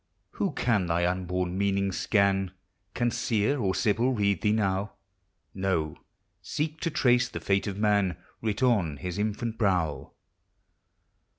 Who can thy unborn meaning scan? Can Seer or Sibyl read thee now? No, seek to trace the fate of man Writ on his infant brow.